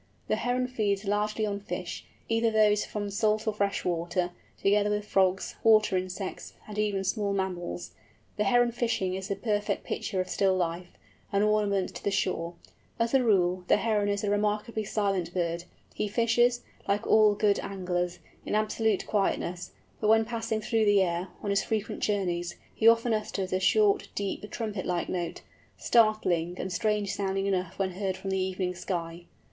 The Heron feeds largely on fishes, either those from salt or fresh water, together with frogs, water insects, and even small mammals. The Heron fishing is a perfect picture of still life, an ornament to the shore. As a rule, the Heron is a remarkably silent bird; he fishes, like all good anglers, in absolute quietness; but when passing through the air, on his frequent journeys, he often utters a short, deep trumpet like note, startling and strange sounding enough when heard from the evening sky.